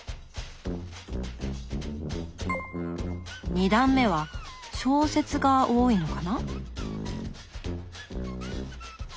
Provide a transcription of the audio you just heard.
２段目は小説が多いのかな。